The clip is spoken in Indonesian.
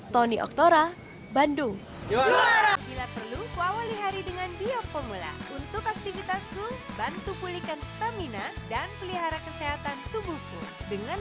tony oktora bandung